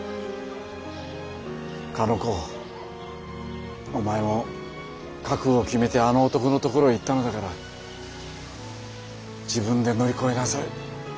かの子お前も覚悟を決めてあの男のところへ行ったのだから自分で乗り越えなさい。